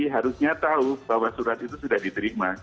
harusnya tahu bahwa surat itu sudah diterima